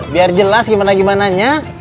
biar jelas gimana gimananya